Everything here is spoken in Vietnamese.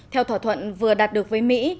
theo thỏa thuận vừa đạt được với mỹ